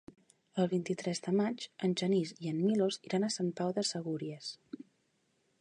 El vint-i-tres de maig en Genís i en Milos iran a Sant Pau de Segúries.